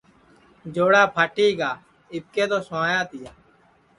جوڑا پھاٹی گا آٻکے تو سوایا تیا